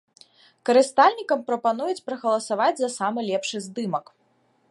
Карыстальнікам прапануюць прагаласаваць за самы лепшы здымак.